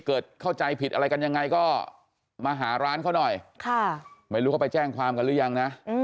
เข้าใจผิดอะไรกันยังไงก็มาหาร้านเขาหน่อยไม่รู้เขาไปแจ้งความกันหรือยังนะ